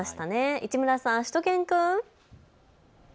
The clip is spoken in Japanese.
市村さん、しゅと犬くん。